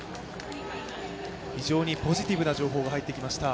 非常にポジティブな情報が入ってきました。